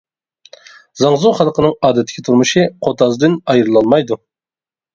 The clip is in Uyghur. زاڭزۇ خەلقىنىڭ ئادەتتىكى تۇرمۇشى قوتازدىن ئايرىلالمايدۇ.